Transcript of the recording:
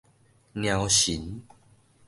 貓神